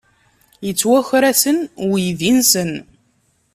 Yettwaker-asen uydi-nsen.